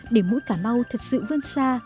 để mũi cà mau thật sự vươn xa